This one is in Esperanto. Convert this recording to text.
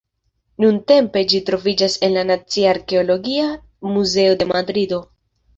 Nuntempe ĝi troviĝas en la Nacia Arkeologia Muzeo de Madrido.